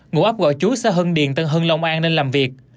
ngụ ấp gọi chú xã hưng điền tân hưng long an nên làm việc